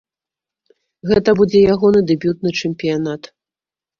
Гэта будзе ягоны дэбютны чэмпіянат.